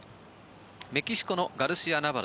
メキシコのガルシア・ナバロ。